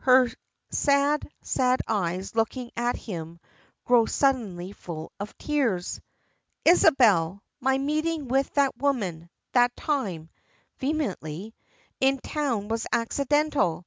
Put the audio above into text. Her sad, sad eyes, looking at him, grow suddenly full of tears. "Isabel! My meeting with that woman that time" vehemently "in town was accidental!